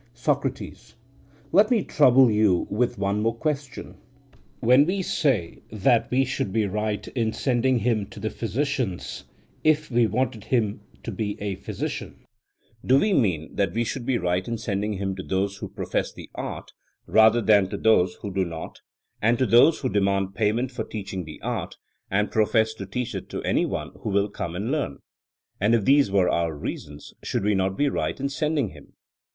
SOCRATES: Let me trouble you with one more question. When we say that we should be right in sending him to the physicians if we wanted him to be a physician, do we mean that we should be right in sending him to those who profess the art, rather than to those who do not, and to those who demand payment for teaching the art, and profess to teach it to any one who will come and learn? And if these were our reasons, should we not be right in sending him?